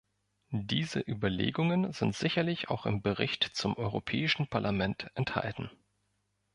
Diese Überlegungen sind sicherlich auch im Bericht zum Europäischen Parlament enthalten.